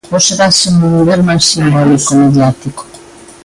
Hoxe dáse nun nivel máis simbólico, mediático.